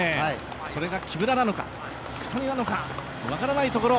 それが木村なのか聞谷なのか分からないところ。